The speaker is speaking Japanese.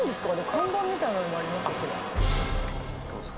看板みたいなものがありますけど。